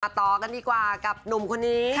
ต่อกันดีกว่ากับหนุ่มคนนี้